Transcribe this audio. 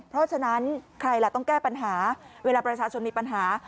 เพราะฉะนั้นใครล่ะต้องแก้ปัญหาเวลาประชาชนมีปัญหา